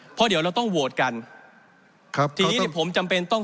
เพราะเดี๋ยวเราต้องโหวตกันครับทีนี้เนี่ยผมจำเป็นต้อง